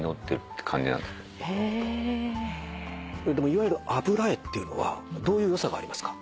いわゆる油絵っていうのはどういう良さがありますか？